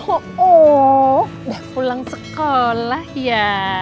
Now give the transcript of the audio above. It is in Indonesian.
udah pulang sekolah ya